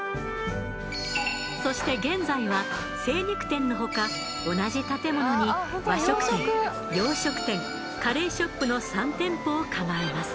そして現在は精肉店の他同じ建物に和食店・洋食店カレーショップの３店舗を構えます。